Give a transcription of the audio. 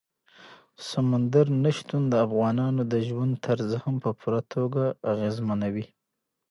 سمندر نه شتون د افغانانو د ژوند طرز هم په پوره توګه اغېزمنوي.